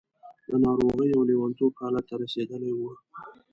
د ناروغۍ او لېونتوب حالت ته رسېدلې وه.